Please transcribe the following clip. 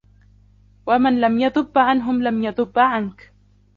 وَمَنْ لَمْ يَذُبَّ عَنْهُمْ لَمْ يَذُبَّ عَنْك